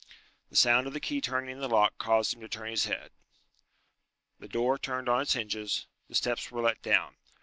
The sound of the key turning in the lock caused him to turn his head. The door turned on its hinges, the steps were let down.